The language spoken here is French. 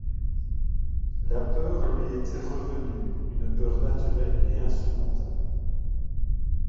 La peur lui était revenue, une peur naturelle et insurmontable.